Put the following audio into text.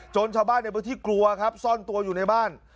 ชาวบ้านในพื้นที่กลัวครับซ่อนตัวอยู่ในบ้าน